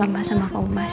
terus kamu bawa ke sini mas